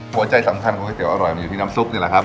หัวใจสำคัญของก๋วเตี๋อร่อยมันอยู่ที่น้ำซุปนี่แหละครับ